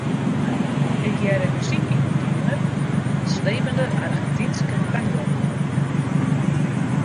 Ik hearde muzyk yn in keamer, in slepende Argentynske tango.